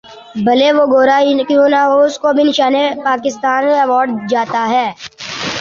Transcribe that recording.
بھلے وہ گورا ہی کیوں نہ ہو اسکو بھی نشان پاکستان ایوارڈ جاتا ہے